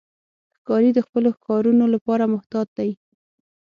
ښکاري د خپلو ښکارونو لپاره محتاط دی.